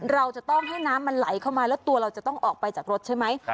เราจะต้องให้น้ำมันไหลเข้ามาแล้วตัวเราจะต้องออกไปจากรถใช่ไหม